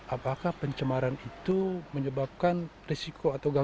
apakah pencemaran itu menyebabkan risiko atau gangguan